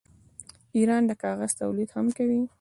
ایران د کاغذ تولید هم کوي.